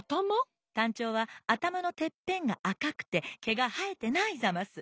タンチョウはあたまのてっぺんがあかくてけがはえてないざます。